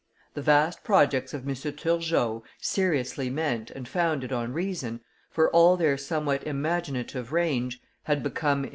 The vast projects of M. Turgot, seriously meant and founded on reason, for all their somewhat imaginative range, had become, in M.